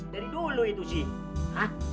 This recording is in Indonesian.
dari dulu itu sih